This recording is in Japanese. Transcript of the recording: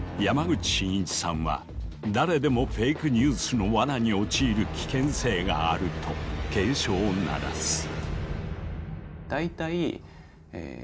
山口真一さんは誰でもフェイクニュースのワナに陥る危険性があると警鐘を鳴らす。